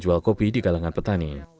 jual kopi di kalangan petani